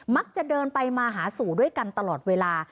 มักจะเดินไปมาหาสู่ด้วยกันตลอดเวลา